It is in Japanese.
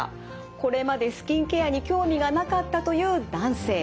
これまでスキンケアに興味がなかったという男性。